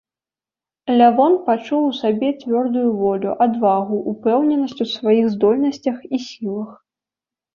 Лявон пачуў у сабе цвёрдую волю, адвагу, упэўненасць у сваіх здольнасцях і сілах.